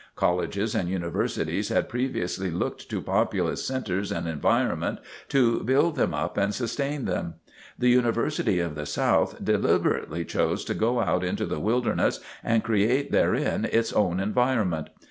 Colleges and universities had previously looked to populous centers and environment to build them up and sustain them. The University of the South deliberately chose to go out into the wilderness and create therein its own environment.